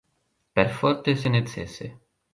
Perforte se necese.